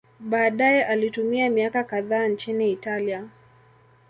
Baadaye alitumia miaka kadhaa nchini Italia.